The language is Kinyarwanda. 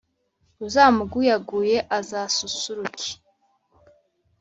Uzamuguyaguye, azasusurukeee